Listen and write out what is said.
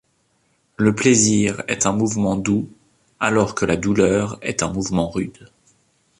Le plaisir est un mouvement doux, alors que la douleur est un mouvement rude.